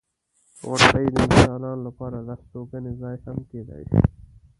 • غونډۍ د انسانانو لپاره د استوګنې ځای هم کیدای شي.